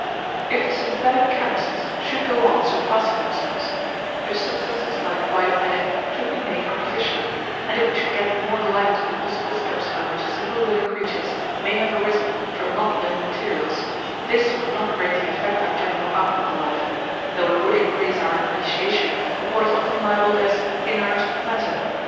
If the synthetic chemists should go on surpassing themselves, if substances like white of egg should be made artificially, and if we should get more light on possible steps by which simple living creatures may have arisen from not living materials, this would not greatly affect our general outlook on life, though it would increase our appreciation of what is often libelled as "inert" matter.